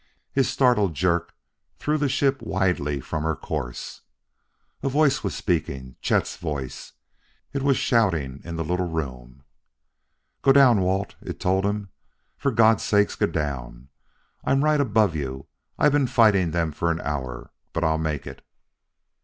His startled jerk threw the ship widely from her course. A voice was speaking Chet's voice! It was shouting in the little room! "Go down, Walt," it told him. "For God's sake, go down! I'm right above you; I've been fighting them for an hour; but I'll make it!"